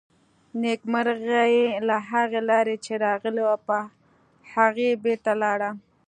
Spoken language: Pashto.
نېکمرغي له هغې لارې چې راغلې وه، په هغې بېرته لاړه.